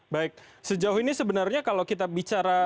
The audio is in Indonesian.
baik sejauh ini sebenarnya kalau kita bicara